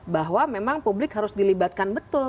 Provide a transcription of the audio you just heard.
bahwa memang publik harus dilibatkan betul